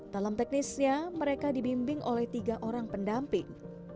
dalam teknisnya mereka dibimbing oleh tiga orang pendamping